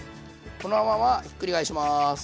このままひっくり返します。